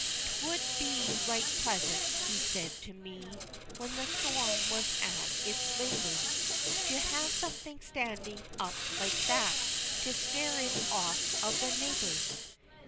"'Twould be right pleasant" he said to me, "When the storm was at its labors, To have something standing up like that To scare it off to the neighbors."